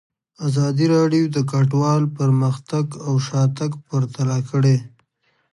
ازادي راډیو د کډوال پرمختګ او شاتګ پرتله کړی.